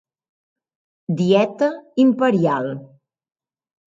Dieta Imperial